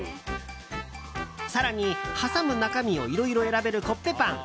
更に、挟む中身をいろいろ選べるコッペパン。